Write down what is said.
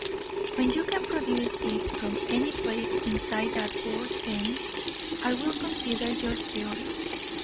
"When you can produce it from any place inside that board fence, I will consider your theory.